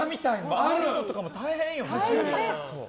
ああいうのも大変よね。